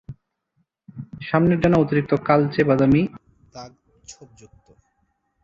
সামনের ডানা অতিরিক্ত কালচে-বাদামি দাগ-ছোপযুক্ত।